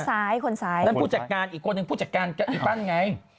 ซ้ายคนซ้ายนั่นผู้จัดการอีกคนนึงผู้จัดการกับอีปั้นไง